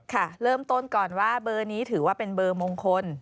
เริ่มต้นก่อนว่าเบอร์นี้ถือว่าเป็นเบอร์มงคล